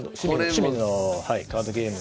趣味のカードゲームで。